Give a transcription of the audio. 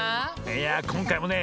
いやこんかいもね